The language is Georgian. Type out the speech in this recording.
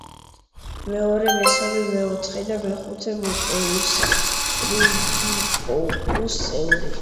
მეორე, მესამე, მეოთხე და მეხუთე მოწვევის რიიგიკოგუს წევრი.